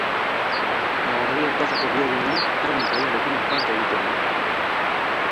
Nabarreria plazako bihurgunean Karmen kalearekin bat egiten du.